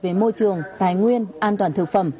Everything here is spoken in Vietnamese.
về môi trường tài nguyên an toàn thực phẩm